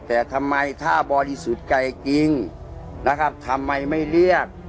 แต่ทำไมถ้าบริสุทธิ์ใจจริงนะครับทำไมไม่เรียก